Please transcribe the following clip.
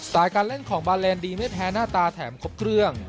การเล่นของบาเลนดีไม่แพ้หน้าตาแถมครบเครื่อง